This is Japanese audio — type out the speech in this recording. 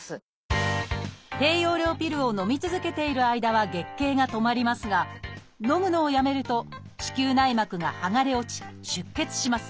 低用量ピルをのみ続けている間は月経が止まりますがのむのをやめると子宮内膜がはがれ落ち出血します。